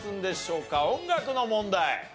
音楽の問題。